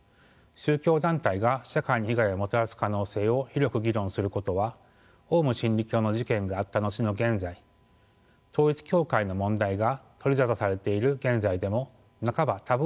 宗教団体が社会に被害をもたらす可能性を広く議論することはオウム真理教の事件があった後の現在統一教会の問題が取り沙汰されている現在でも半ばタブー視されています。